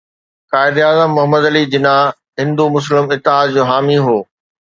قائداعظم محمد علي جناح هندو مسلم اتحاد جو حامي هو